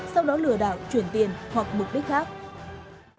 sau đó lừa đảo chuyển tiền hoặc mục đích khác